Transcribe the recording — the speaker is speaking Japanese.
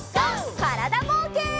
からだぼうけん。